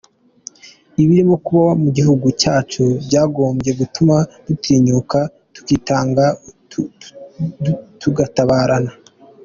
ibirimo kuba mu gihugu cyacu byagombye gutuma dutinyuka tukitanga, tugatabarana.